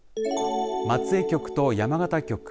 松江局と山形局。